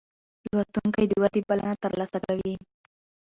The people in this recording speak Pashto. لوستونکی د ودې بلنه ترلاسه کوي.